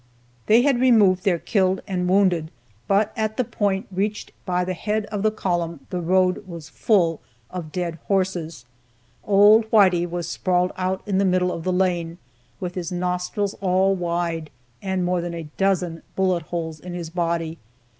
They had removed their killed and wounded, but at the point reached by their head of column, the road was full of dead horses. Old Whitey was sprawled out in the middle of the lane, "with his nostrils all wide," and more than a dozen bullet holes in his body.